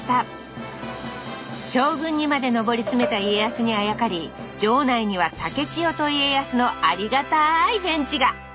将軍にまで上り詰めた家康にあやかり場内には竹千代と家康のありがたいベンチが。